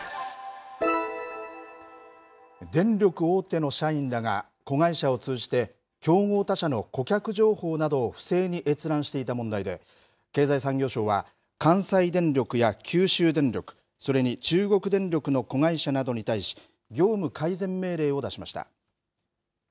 電力大手の社員らが子会社を通じて、競合他社の顧客情報などを不正に閲覧していた問題で、経済産業省は関西電力や九州電力、それに中国電力の子会社などに対し、業務改善命令を出しました。